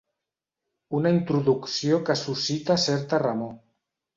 Una introducció que suscita certa remor.